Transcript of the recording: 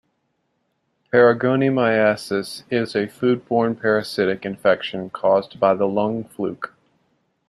Paragonimiasis is a food-borne parasitic infection caused by the lung fluke.